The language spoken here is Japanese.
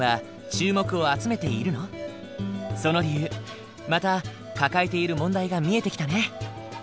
その理由また抱えている問題が見えてきたね。